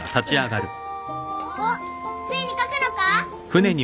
おっついに書くのか？